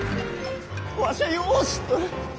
わしはよう知っとる！